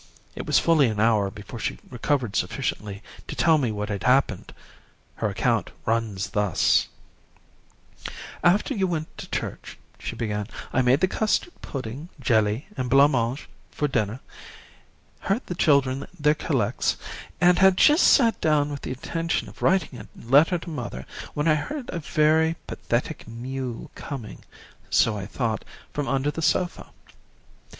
It was fully an hour before she recovered sufficiently to tell me what had happened. Her account runs thus: "'After you went to church,' she began, 'I made the custard pudding, jelly and blancmange for dinner, heard the children their collects, and had just sat down with the intention of writing a letter to mother, when I heard a very pathetic mew coming, so I thought, from under the sofa.